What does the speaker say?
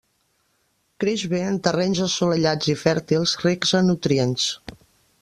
Creix bé en terrenys assolellats i fèrtils, rics en nutrients.